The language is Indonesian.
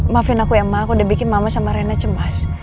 maafin aku emang aku udah bikin mama sama rena cemas